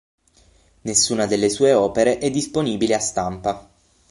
Nessuna delle sue opere è disponibile a stampa.